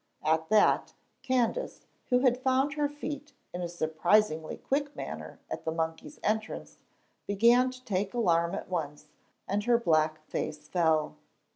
At that, Candace, who had found her feet in a surprisingly quick manner at the monkey's entrance, began to take alarm at once, and her black face fell.